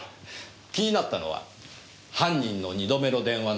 気になったのは犯人の二度目の電話のヘリの音です。